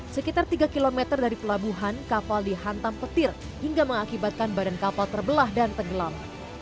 sekitar tiga km dari pelabuhan kapal dihantam petir hingga mengakibatkan badan kapal terbelah dan tenggelam